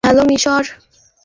Hello, মিশর!